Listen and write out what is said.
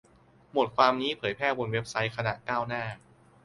บทความนี้เผยแพร่บนเว็บไซต์คณะก้าวหน้า